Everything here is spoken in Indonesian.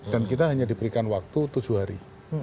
dan kita hanya diberikan waktu tujuh hari